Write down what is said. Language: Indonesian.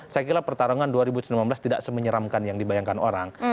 saya kira pertarungan dua ribu sembilan belas tidak semenyeramkan yang dibayangkan orang